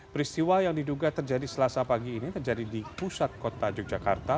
peristiwa yang diduga terjadi selasa pagi ini terjadi di pusat kota yogyakarta